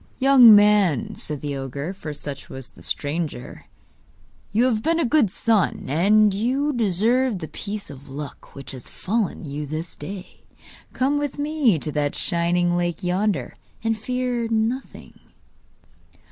'Young man,' said the ogre (for such was the stranger), 'you have been a good son, and you deserve the piece of luck which has befallen you this day. Come with me to that shining lake yonder, and fear nothing.